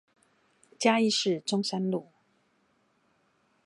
嘉義市中山路